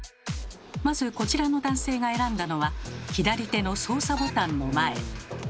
まずこちらの男性が選んだのは左手の操作ボタンの前。